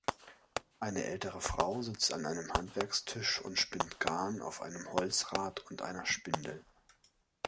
Eine ältere Frau sitzt an einem Handwerkstisch und spinnt Garn auf einem Holzrad und einer Spindel.